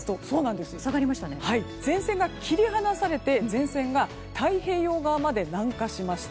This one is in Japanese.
前線が切り離されて前線が太平洋側まで南下しました。